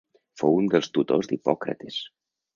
Fou un dels tutors d'Hipòcrates.